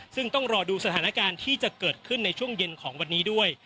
ซึ่งต้องรอดูสถานการณ์ที่จะเกิดขึ้นในช่วงเย็นของวันนี้ด้วย